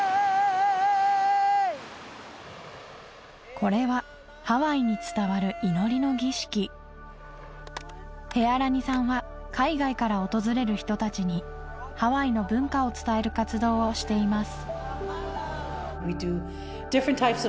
これはハワイに伝わる祈りの儀式ヘアラニさんは海外から訪れる人達にハワイの文化を伝える活動をしています